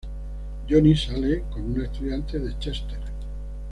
Jonny sale con una estudiante de Chester.